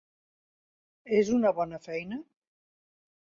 És una bona feina?